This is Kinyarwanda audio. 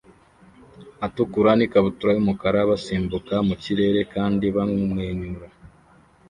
atukura n'ikabutura y'umukara basimbuka mu kirere kandi bamwenyura